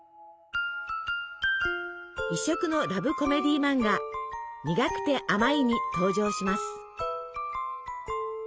異色のラブコメディーマンガ「にがくてあまい」に登場します。